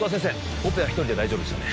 オペは１人で大丈夫ですよね